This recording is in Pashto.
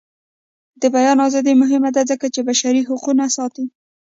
د بیان ازادي مهمه ده ځکه چې بشري حقونه ساتي.